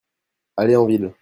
Aller en ville.